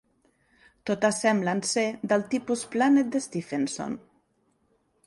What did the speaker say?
Totes semblen ser del tipus Planet d'Stephenson.